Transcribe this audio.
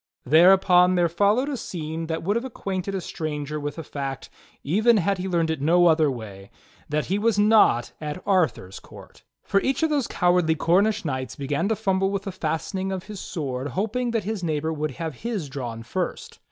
Thereupon there followed a scene that would have acquainted 74 THE STORY OF KING ARTHUR a stranger with the fact, even had he learned it no other way, that he was not at Arthur's court; for each of those cowardly Cornish knights began to fumble with the fastening of his sword hoping that his neighbor would have his drawn first.